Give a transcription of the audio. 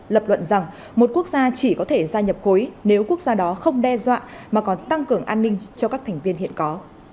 lập luận rằng một quốc gia chỉ có thể gia nhập khối nếu quốc gia đó không đe dọa mà còn tăng cường an ninh cho các thành viên hiện có